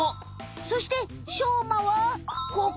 そしてしょうまはここ！